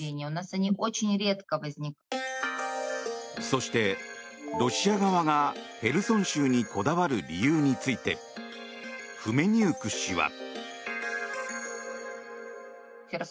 そして、ロシア側がヘルソン州にこだわる理由についてフメニウク氏は。